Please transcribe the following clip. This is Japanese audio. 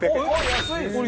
安いですね。